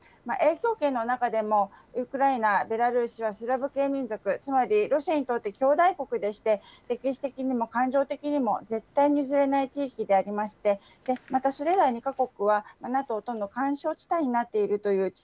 影響圏の中でも、ウクライナ、ベラルーシはスラブ系民族、つまりロシアにとって兄弟国であって、歴史的にも感情的にも絶対に譲れない地域でありまして、また、それら２か国はＮＡＴＯとの緩衝地帯になっているという